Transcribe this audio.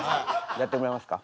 やってもらいますか。